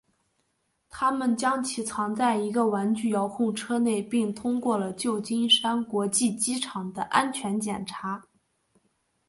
他们将其藏在一个玩具遥控车内并通过了旧金山国际机场的安全检查。